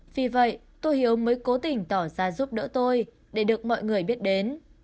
vì vậy tôi hiếu mới cố tình tỏ ra giúp đỡ tôi để được mọi người biết đến